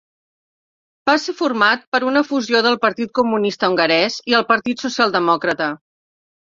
Va ser format per una fusió del Partit Comunista Hongarès i el Partit Socialdemòcrata.